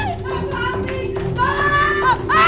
patung api baut